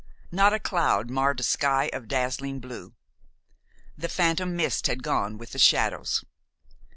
Not a cloud marred a sky of dazzling blue. The phantom mist had gone with the shadows.